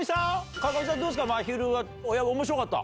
川上さん、どうですか、まひるはおもしろかった？